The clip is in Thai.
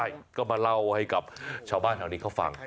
ใช่ก็มาเล่าให้กับชาวบ้านแถวนี้เขาฟัง